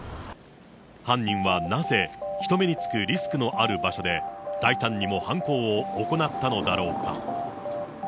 犯人はなぜ、人目につくリスクのある場所で、大胆にも犯行を行ったのだろうか。